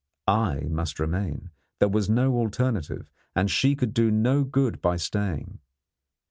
I must remain. There was no alternative, and she could do no good by staying.